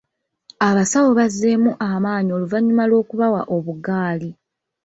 Abasawo bazzeemu amaanyi oluvannyuma lw'okubawa obuggaali.